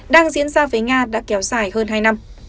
đang diễn ra với nga đã kéo dài hơn hai năm